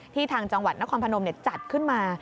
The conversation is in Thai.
ทางจังหวัดนครพนมจัดขึ้นมา